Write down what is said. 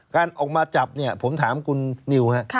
การออกมาจับเนี่ยผมถามคุณนิวครับ